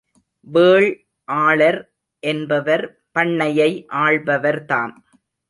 வேள் ஆளர் என்பவர் பண்ணையை ஆள்பவர்தாம்.